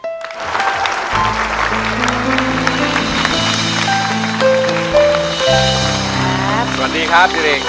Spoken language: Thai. สวัสดีครับดิวริก